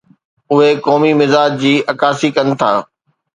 اهي قومي مزاج جي عڪاسي ڪن ٿا.